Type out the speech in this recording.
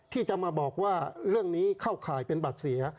ที่จะมาบอกว่าเรื่องนี้เข้าข่ายเป็นบัตรเสีย